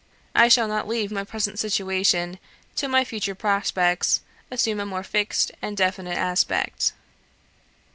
I shall not leave my present situation till my future prospects assume a more fixed and definite aspect."